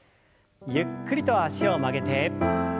ゆっくりと脚を曲げて。